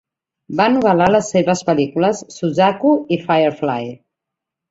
Va novel·lar les seves pel·lícules "Suzaku" i "Firefly".